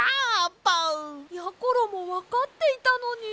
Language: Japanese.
やころもわかっていたのに！